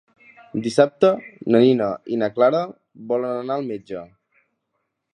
Dissabte na Nina i na Clara volen anar al metge.